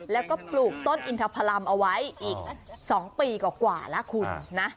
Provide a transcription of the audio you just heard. แล้วก็ปลูกต้นอินทพลัมเอาไว้อีก๒ปีกว่าแล้วคุณนะ